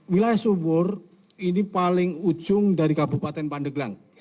wilayah subur ini paling ujung dari kabupaten pandeglang